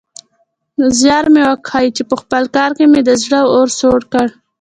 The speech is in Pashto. زيار مې وکيښ چې پخپل کار مې د زړه اور سوړ کړ.